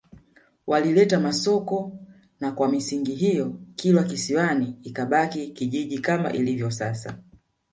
Walileta Masoko na kwa misingi hiyo Kilwa Kisiwani ikabaki kijiji kama ilivyo sasa